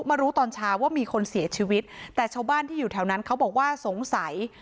มารู้ตอนเช้าว่ามีคนเสียชีวิตแต่ชาวบ้านที่อยู่แถวนั้นเขาบอกว่าสงสัย